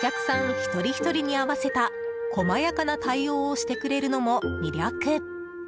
一人ひとりに合わせた細やかな対応をしてくれるのも魅力。